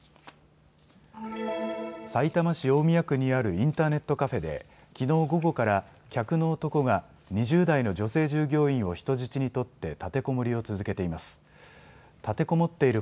さいたま市大宮区にあるインターネットカフェできのう午後から客の男が２０代の女性従業員を人質に取って立てこもりを続けています。